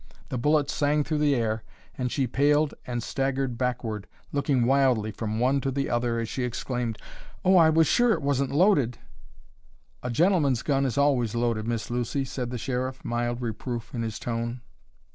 The bullet sang through the air; and she paled and staggered backward, looking wildly from one to the other as she exclaimed: "Oh, I was sure it wasn't loaded!" "A gentleman's gun is always loaded, Miss Lucy," said the Sheriff, mild reproof in his tone.